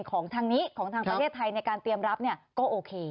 ของทางนี้ของทางประเทศไทยในการเตรียมรับก็โอเค